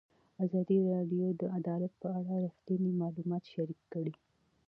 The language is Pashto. ازادي راډیو د عدالت په اړه رښتیني معلومات شریک کړي.